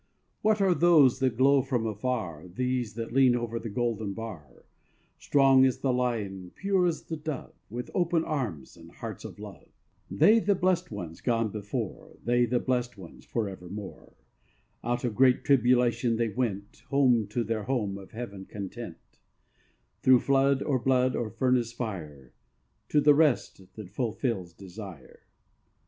What are these that glow from afar, These that lean over the golden bar, Strong as the lion, pure as the dove, With open arms and hearts of love? They the blessed ones gone before, They the blessed forevermore. Out of great tribulation they went Home to their home of Heaven content; Through flood, or blood, or furnace fire, To the rest that fulfils desire.